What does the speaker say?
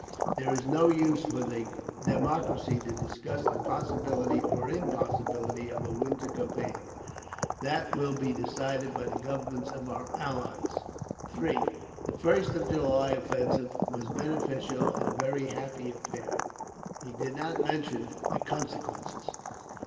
There is no use for the democracy to discuss the possibility or impossibility of a winter campaign. That will be decided by the Governments of our Allies. 3. The 1st of July offensive was beneficial and a very happy affair. (He did not mention the consequences.)